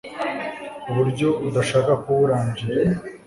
uburyo udashaka kubura angella